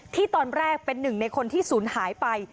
ที่ตอนแรกเป็นหนึ่งในคนที่ศูนย์หายไป